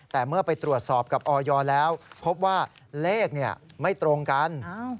แต่เมื่อไปตรวจสอบกับออยแล้วพบว่าเลขไม่ตรงกัน